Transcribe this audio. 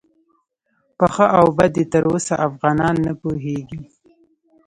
په ښه او بد یې تر اوسه افغانان نه پوهیږي.